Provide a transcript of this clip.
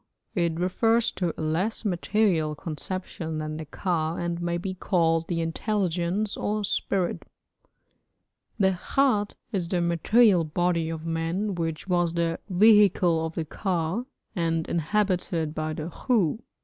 It refers to a less material conception than the ka, and may be called the intelligence or spirit. The khat is the material body of man which was the vehicle of the ka, and inhabited by the khu.